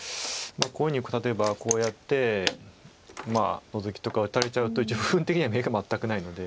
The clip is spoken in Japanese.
こういうふうにいくと例えばこうやってノゾキとか打たれちゃうと一応部分的には眼が全くないので。